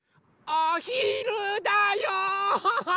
おひるだよ！